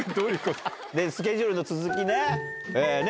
スケジュールの続きね。